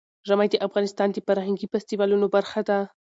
ژمی د افغانستان د فرهنګي فستیوالونو برخه ده.